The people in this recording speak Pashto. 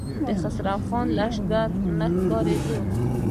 د خسرو خان لښکر نه ښکارېده.